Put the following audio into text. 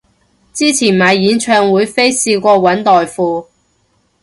之前買演唱會飛試過搵代付